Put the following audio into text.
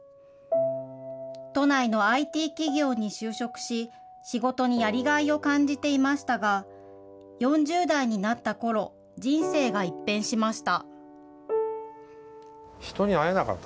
都内のＩＴ企業に就職し、仕事にやりがいを感じていましたが、４０代になったころ、人生が一変しました。